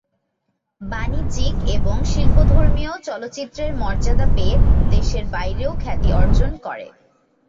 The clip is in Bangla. বাণিজ্যিক এবং শিল্পধর্মীয় চলচ্চিত্রের মর্যাদা পেয়ে দেশের বাইরেও খ্যাতি অর্জন করে।